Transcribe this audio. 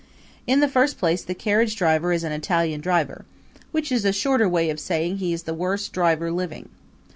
In the first place the carriage driver is an Italian driver which is a shorter way of saying he is the worst driver living.